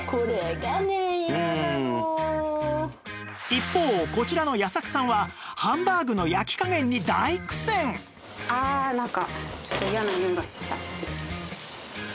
一方こちらの矢作さんはハンバーグの焼き加減に大苦戦ああなんか。